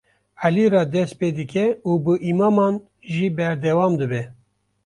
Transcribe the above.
Elî re dest pê dike û bi îmaman jî berdewam dibe.